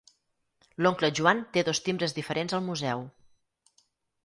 L'oncle Joan té dos timbres diferents al museu.